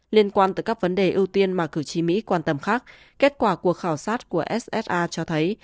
liên quan tới các vấn đề ưu tiên mà cử tri mỹ quan tâm khác kết quả cuộc khảo sát của ssa cho thấy